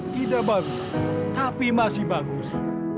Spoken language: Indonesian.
tidak bagus tapi masih bagus